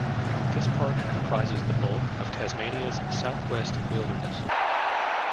This park comprises the bulk of Tasmania's South West Wilderness.